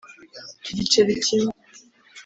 Igiceli kimwe